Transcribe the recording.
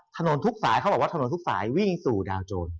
ทุกสายเขาบอกว่าถนนทุกสายวิ่งสู่ดาวโจร